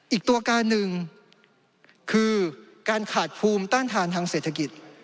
อีกตัวการหนึ่งคือการขาดภูมิต้านทานทางเศรษฐกิจ